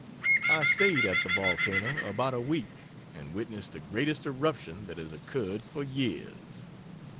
I staid at the volcano about a week and witnessed the greatest eruption that has occurred for years.